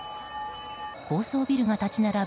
高層ビルが立ち並ぶ